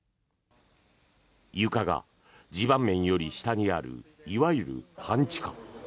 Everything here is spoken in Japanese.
床が地盤面より下にあるいわゆる半地下。